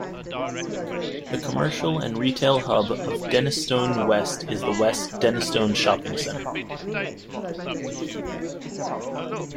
The commercial and retail hub of Denistone West is the West Denistone Shopping Centre.